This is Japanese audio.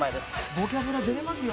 『ボキャブラ』出れますよ。